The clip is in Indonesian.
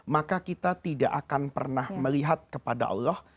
maka kita tidak akan pernah melihat kepada allah